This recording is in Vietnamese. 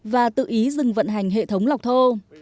và tự ý dừng vận hành hệ thống lọc thô